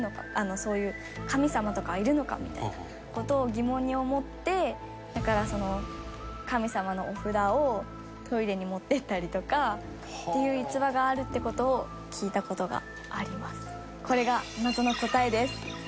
そういう神様とかはいるのかみたいな事を疑問に思ってだからその神様の御札をトイレに持ってったりとかっていう逸話があるって事を聞いた事があります。